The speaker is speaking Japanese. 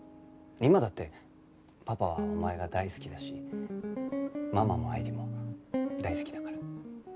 今だってパパはお前が大好きだしママも愛理も大好きだから。